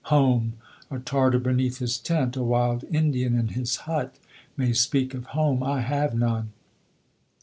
Home i a Tartar beneath his tent— a wild In dian in his hut, may speak of home — I have none.